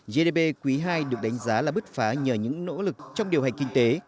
gdp quý ii được đánh giá là bứt phá nhờ những nỗ lực trong điều hành kinh tế